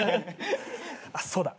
あっそうだ。